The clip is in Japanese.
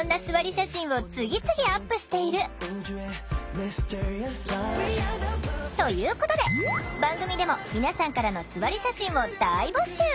写真を次々アップしている！ということで番組でも皆さんからのすわり写真を大募集！